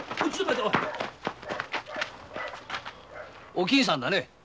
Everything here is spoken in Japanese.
おきんさんだね？